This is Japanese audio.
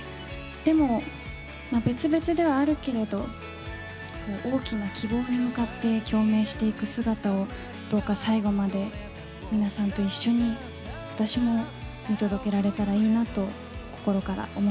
でも別々ではあるけれど大きな希望に向かって共鳴していく姿をどうか最後まで皆さんと一緒に私も見届けられたらいいなと心から思っています。